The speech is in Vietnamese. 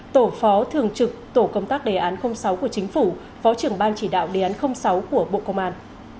tổ phó thường trực tổ công tác đề án sáu của chính phủ phó trưởng ban chỉ đạo đề án sáu của bộ công an